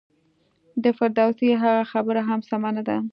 د فردوسي هغه خبره هم سمه نه ده.